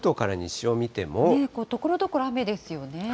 ところどころ、雨ですよね。